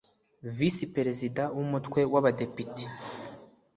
Visi Perezida w’ Umutwe w’ Abadepite